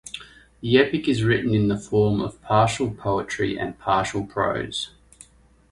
The Epic is written in the form of partial poetry and partial prose.